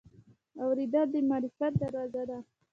اورېدل د معرفت دروازه ده.